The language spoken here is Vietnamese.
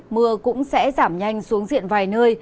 mưa cũng sẽ giảm nhanh xuống diện vài nơi